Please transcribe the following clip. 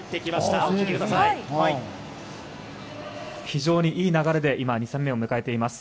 非常にいい流れで今２戦目を迎えています。